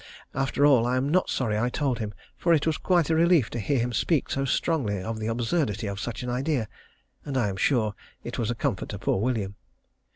After all I am not sorry I told him, for it was quite a relief to hear him speak so strongly of the absurdity of such an idea, and I am sure it was a comfort to poor William.